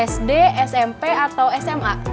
sd smp atau sma